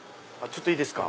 いいですか？